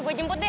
gue jemput deh